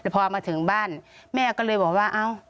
พอมาถึงบ้านแม่ก็เลยบอกว่าเอ้า